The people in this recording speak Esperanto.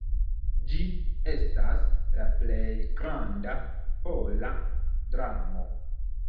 Ĝi estas la plej granda pola dramo.